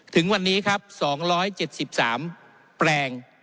ถึงวันนี้ครับ๒๗๓แปลง